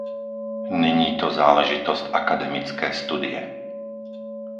Není to záležitost akademické studie.